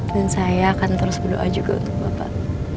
dan saya akan terus berdoa juga untuk bapak